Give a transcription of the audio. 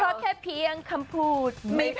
เพราะแค่เพียงคำพูด